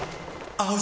合う！！